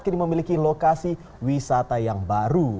kini memiliki lokasi wisata yang baru